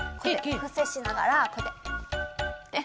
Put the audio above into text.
ふせしながらこうやってね！